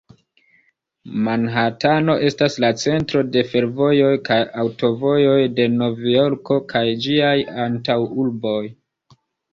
Manhatano estas la centro de fervojoj kaj aŭtovojoj de Novjorko kaj ĝiaj antaŭurboj.